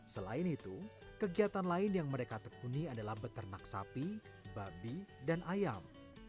selain itu kegiatan lain yang mereka tekuni adalah beternak sapi babi dan ayam